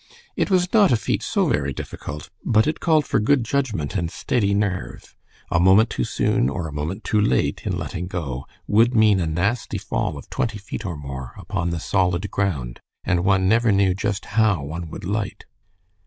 It was not a feat so very difficult, but it called for good judgment and steady nerve. A moment too soon or a moment too late in letting go, would mean a nasty fall of twenty feet or more upon the solid ground, and one never knew just how one would light.